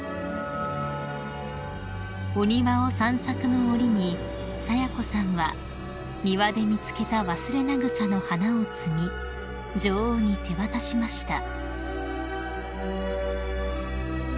［お庭を散策の折に清子さんは庭で見つけたワスレナグサの花を摘み女王に手渡しました］